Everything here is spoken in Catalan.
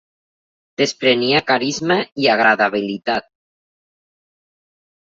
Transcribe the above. Desprenia carisma i agradabilitat.